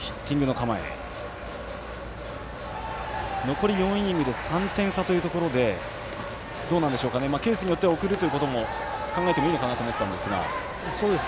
残り３イニングで３点差というところでケースによって送るということも考えてもいいのかなと思ったんですが。